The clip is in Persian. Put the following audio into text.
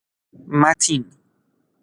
متین